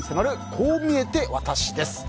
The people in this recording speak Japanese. こう見えてワタシです。